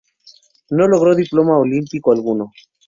No logró diploma olímpico alguno.